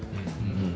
うん。